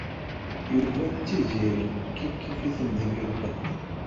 Yuba d Tiziri kifkif-iten deg lqedd.